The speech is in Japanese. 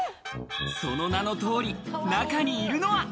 その名の通り、中にいるのは。